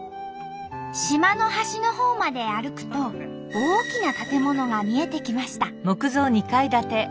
島の端のほうまで歩くと大きな建物が見えてきました。